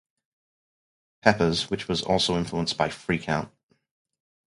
Pepper's", which was also influenced by "Freak Out!